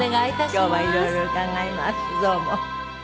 今日はいろいろ伺いますどうも。